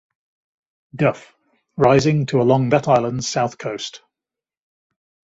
Duff, rising to along that island's south coast.